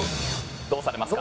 どうされますか？